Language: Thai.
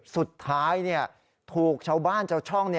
สุดท้ายถูกชาวบ้านชาวช่อง